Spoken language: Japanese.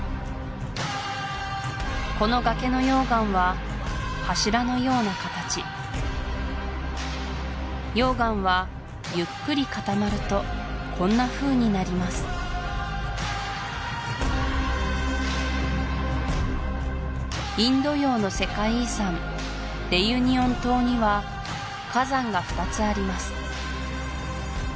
この崖の溶岩は柱のような形溶岩はゆっくり固まるとこんなふうになりますインド洋の世界遺産レユニオン島には火山が２つあります